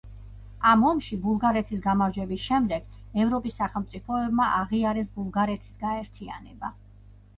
ამ ომში ბულგარეთის გამარჯვების შემდეგ ევროპის სახელმწიფოებმა აღიარეს ბულგარეთის გაერთიანება.